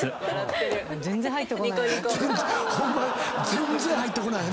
全然入ってこない。